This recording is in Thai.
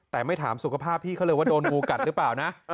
แต่ไม่ถามสุขภาพพี่เขาเลยว่าโดนงูกัดหรือเปล่านะ